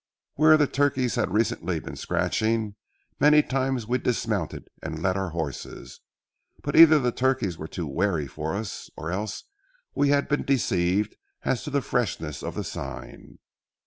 Where the turkeys had recently been scratching, many times we dismounted and led our horses—but either the turkeys were too wary for us, or else we had been deceived as to the freshness of the sign.